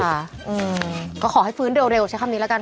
อืมก็ขอให้ฟื้นเร็วเร็วใช้คำนี้แล้วกัน